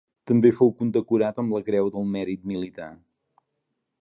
També fou condecorat amb la Creu del Mèrit Militar.